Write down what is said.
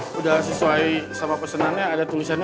sudah sesuai sama pesanannya ada tulisannya